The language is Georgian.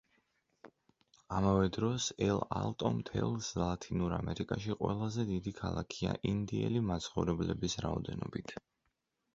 ამავე დროს, ელ–ალტო მთელს ლათინურ ამერიკაში ყველაზე დიდი ქალაქია ინდიელი მაცხოვრებლების რაოდენობით.